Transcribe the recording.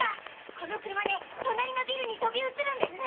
この車で隣のビルに飛び移るんですね！